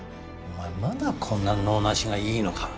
お前まだこんな能無しがいいのか？